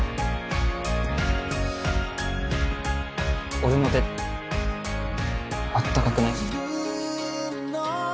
俺の手あったかくない？